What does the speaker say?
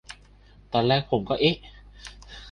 ตอนแรกผมก็ "เอ๊ะ"